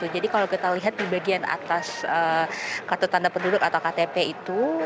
jadi kalau kita lihat di bagian atas kartu tanda penduduk atau ktp itu